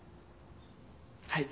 はい。